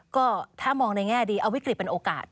ก็ถ้ามองในแง่ดีเอาวิกฤตเป็นโอกาส